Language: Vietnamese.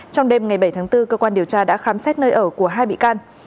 trong đêm ngày bảy tháng bốn cơ quan điều tra đã khám xét nơi ở của hai bị can